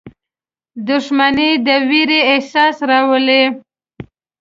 • دښمني د ویرې احساس راولي.